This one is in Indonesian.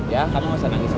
ya kamu gak usah nangis lagi